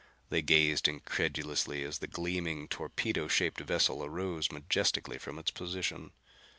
They gazed incredulously as the gleaming torpedo shaped vessel arose majestically from its position.